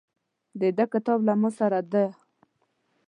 د ده کتاب له ماسره ده.